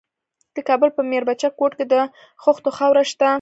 د کابل په میربچه کوټ کې د خښتو خاوره شته.